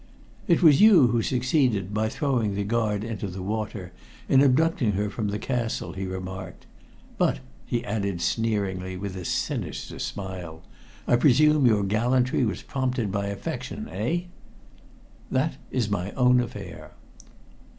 "It was you who succeeded, by throwing the guard into the water, in abducting her from the castle," he remarked. "But," he added sneeringly, with a sinister smile, "I presume your gallantry was prompted by affection eh?" "That is my own affair."